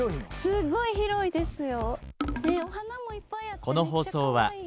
すごい広いですよ。